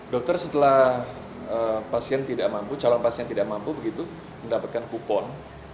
dokter setelah pasien tidak mampu calon pasien tidak mampu begitu mendapatkan kupon